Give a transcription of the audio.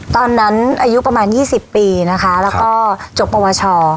ตอนนั้นอายุประมาณ๒๐ปีนะคะแล้วก็จบปวช